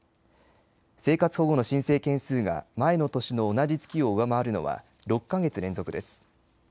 生活保護の申請件数が前の年の同じ月を上回るのは６か月連続です。